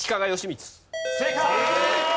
正解！